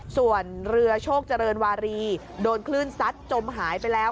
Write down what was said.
ส่วนเรือโชคเจริญวารีโดนคลื่นซัดจมหายไปแล้ว